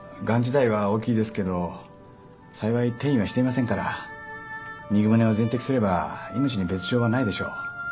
がん自体は大きいですけど幸い転移はしていませんから右胸を全摘すれば命に別条はないでしょう。